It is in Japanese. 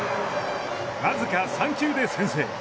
僅か３球で先制。